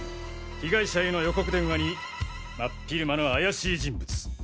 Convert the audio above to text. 被害者への予告電話にまっ昼間の怪しい人物。